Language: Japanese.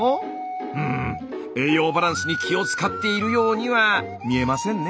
うん栄養バランスに気を遣っているようには見えませんね。